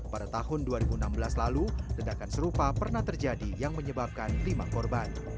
pada tahun dua ribu enam belas lalu ledakan serupa pernah terjadi yang menyebabkan lima korban